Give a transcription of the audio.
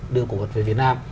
đưa cổ vật về việt nam